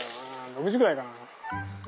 ６時ぐらいかな？